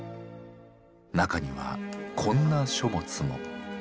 中にはこんな書物も。